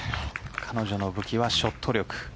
彼女の武器はショット力。